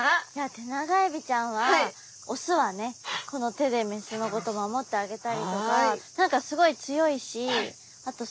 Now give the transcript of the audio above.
テナガエビちゃんは雄はねこの手で雌のこと守ってあげたりとか何かすごい強いしあとすごいおいしかったので。